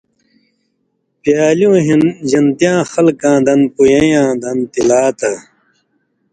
پیالیُوں ہِن (جنتیاں خلکاں دن پُویَئیں یاں دن تِلا تھہ)۔